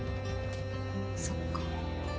そっか。